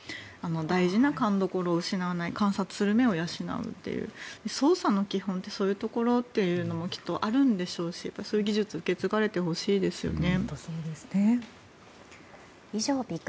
大事なかんどころを失わない観察する目を養うという捜査の基本ってそういうところというのもきっとあるんでしょうしそういう技術が受け継がれてほしいですよね。